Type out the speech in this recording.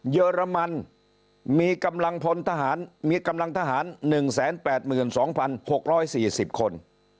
เยอรมันมีกำลังพลทหารมีกำลังทหาร๑๘๒๖๔๐คน